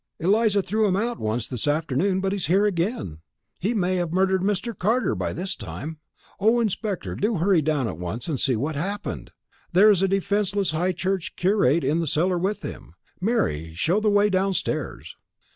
Eliza threw him out once this afternoon, but he's here again. He may have murdered Mr. Carter by this time. Oh, inspector, do hurry down at once and see what's happened! There's a defenceless high church curate in the cellar with him. Mary, show the way downstairs."